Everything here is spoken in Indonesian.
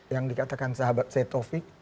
yang dikatakan sahabat saya taufik